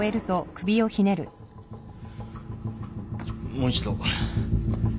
もう一度。